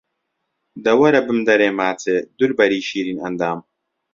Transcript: دە وەرە بمدەرێ ماچێ، دولبەری شیرین ئەندام